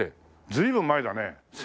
随分前だね。